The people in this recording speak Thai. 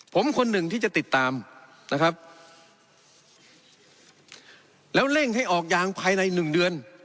ผมคนหนึ่งที่จะติดตามนะครับแล้วเร่งให้ออกยางภายในหนึ่งเดือน